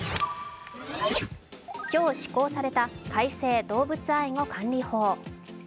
今日施行された改正動物愛護管理法。